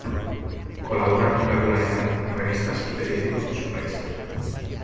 Colabora con regularidad en revistas y periódicos de su país.